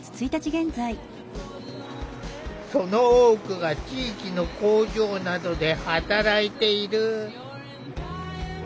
その多くが地域の工場などで働いている。